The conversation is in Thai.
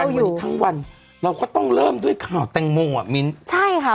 วันนี้ทั้งวันเราก็ต้องเริ่มด้วยข่าวแตงโมอ่ะมิ้นใช่ค่ะ